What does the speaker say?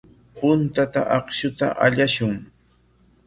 Puntata akshuta allashun.